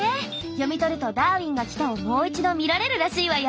読み取ると「ダーウィンが来た！」をもう一度見られるらしいわよ。